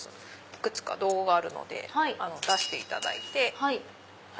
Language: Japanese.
いくつか道具があるので出していただいて。